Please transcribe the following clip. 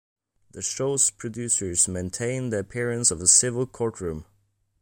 The show's producers maintain the appearance of a civil courtroom.